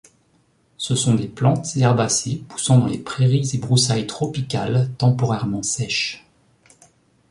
Ce sont des plantes herbacées poussant dans les prairies et broussailles tropicales temporairement sèches.